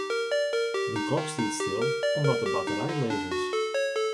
Dyn klok stiet stil, omdat de batterij leech is.